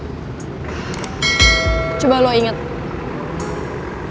ini udah keberapa kalinya gue di php in sama boy